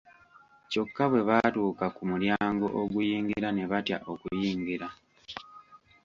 Kyokka bwe baatuuka ku mulyango oguyingira ne batya okuyingira.